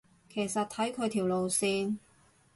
其實睇佢條路線